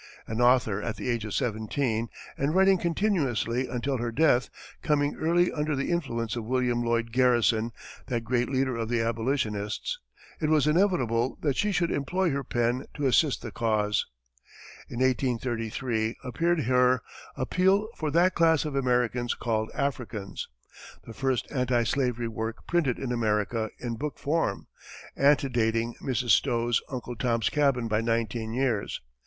An author at the age of seventeen, and writing continuously until her death, coming early under the influence of William Lloyd Garrison, that great leader of the abolitionists, it was inevitable that she should employ her pen to assist the cause. In 1833 appeared her "Appeal for that class of Americans called Africans," the first anti slavery work printed in America in book form, antedating Mrs. Stowe's "Uncle Tom's Cabin" by nineteen years.